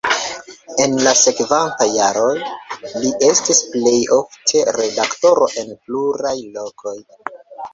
En la sekvantaj jaroj li estis plej ofte redaktoro en pluraj lokoj.